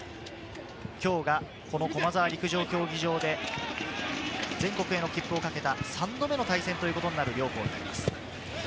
今日が駒沢陸上競技場で、全国への切符を懸けた３度目の対戦ということになる両校です。